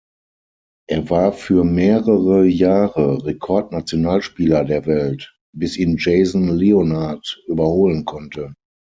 Er war für mehrere Jahre Rekordnationalspieler der Welt, bis ihn Jason Leonard überholen konnte.